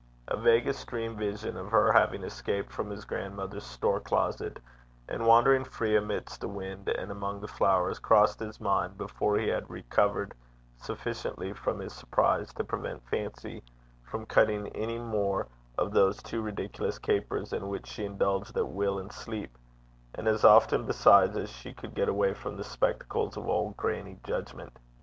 A vaguest dream vision of her having escaped from his grandmother's aumrie (store closet), and wandering free amidst the wind and among the flowers, crossed his mind before he had recovered sufficiently from his surprise to prevent Fancy from cutting any more of those too ridiculous capers in which she indulged at will in sleep, and as often besides as she can get away from the spectacles of old Grannie Judgment.